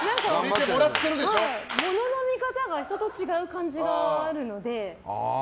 ものの見方が人と違う感じがあるので。